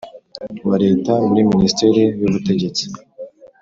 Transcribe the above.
wa Leta muri Minisiteri y Ubutegetsi